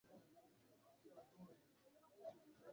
akunda umurimo we w’uburezi